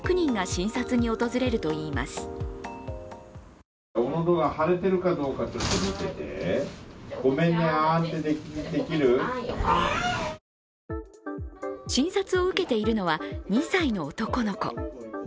診察をうけているのは２歳の男の子。